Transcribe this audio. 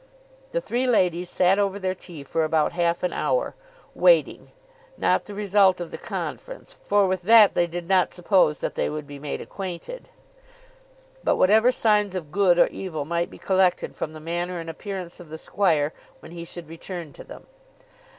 The three ladies sat over their tea for about half an hour, waiting, not the result of the conference, for with that they did not suppose that they would be made acquainted, but whatever signs of good or evil might be collected from the manner and appearance of the squire when he should return to them.